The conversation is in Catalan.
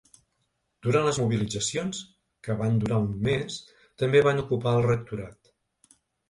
Durant les mobilitzacions, que van durar un mes, també van ocupar el rectorat.